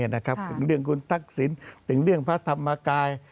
ถึงเรื่องคุณทักษิณถึงเรื่องพระธรรมกาย